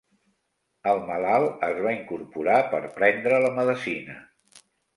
El malalt es va incorporar per prendre la medecina.